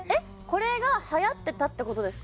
これがはやってたって事ですか？